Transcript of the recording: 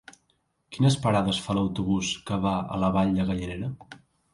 Quines parades fa l'autobús que va a la Vall de Gallinera?